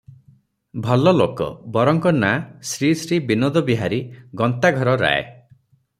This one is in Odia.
ଭଲଲୋକ- ବରଙ୍କ ନାମ ଶ୍ରୀ ଶ୍ରୀ ବିନୋଦବିହାରୀ ଗନ୍ତାଘରରାୟ ।